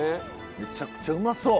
めちゃくちゃうまそう。